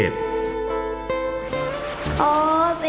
สนับสนุนโดยบริธานาคารกรุงเทพฯ